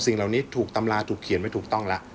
สิ่งเหล่านี้ถูกตำราถูกเขียนไว้ถูกต้องแล้ว